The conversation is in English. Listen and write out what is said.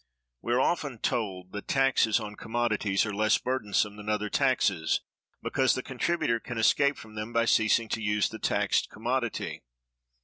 We are often told that taxes on commodities are less burdensome than other taxes, because the contributor can escape from them by ceasing to use the taxed commodity.